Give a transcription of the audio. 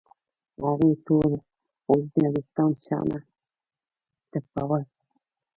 هغې تور اوږده وېښتان شاته ټېلوهل.